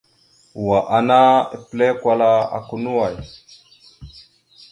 Wa ana epəlé kwala aka no way.